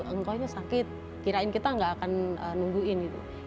engkau nya sakit kirain kita gak akan nungguin